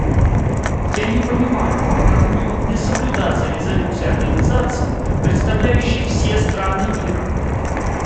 Я не понимаю, как могут не соблюдаться резолюции организации, представляющей все страны мира?